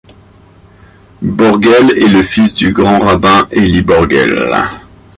Borgel est le fils du grand-rabbin Élie Borgel.